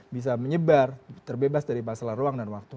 bisa menyebar terbebas dari masalah ruang dan waktu